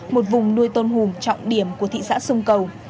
một vùng nuôi tôm hùm trọng điểm của thị xã sông cầu